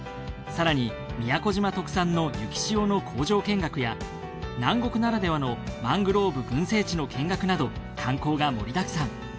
更に宮古島特産の雪塩の工場見学や南国ならではのマングローブ群生地の見学など観光が盛りだくさん。